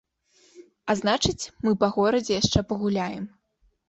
А значыць, мы па горадзе яшчэ пагуляем.